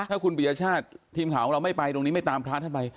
ถ้าคุณปียชาติทีมข่าวของเราไม่ไปตรงนี้ไม่ตามพระท่านไป